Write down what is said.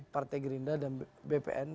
partai gerinda dan bpn